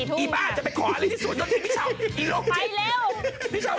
คือไปคออะไรที่สุดนั่นสิพี่ชาว